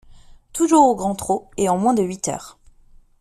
Toujours au grand trot, et en moins de huit heures.